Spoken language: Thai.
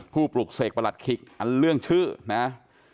ปลุกเสกประหลัดขิกอันเรื่องชื่อนะ